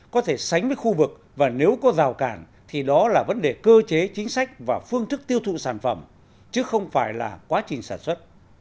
có thể sánh với khu vực và nếu có rào cản thì đó là vấn đề cơ chế chính sách và phương thức tiêu thụ sản phẩm chứ không phải là quá trình sản xuất